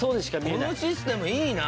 このシステムいいな。